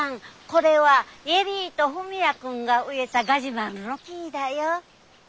これは恵里と文也君が植えたガジュマルの樹だよ。